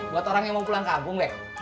buat orang yang mau pulang kampung deh